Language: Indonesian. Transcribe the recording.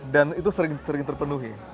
dan itu sering terpenuh ya